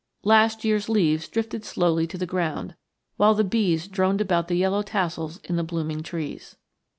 Last year's leaves drifted slowly to the ground, while the bees droned about the yellow tassels of the blooming trees.